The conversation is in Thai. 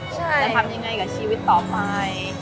จะทำยังไงกับชีวิตต่อไป